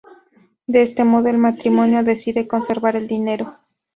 De este modo, el matrimonio decide conservar el dinero.